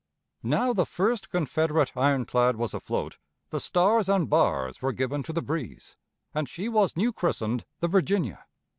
Now the first Confederate ironclad was afloat, the Stars and Bars were given to the breeze, and she was new christened "the Virginia."